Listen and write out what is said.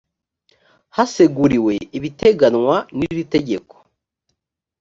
haseguriwe ibiteganywa n iri tegeko